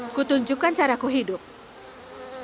aku akan menunjukkan cara hidupku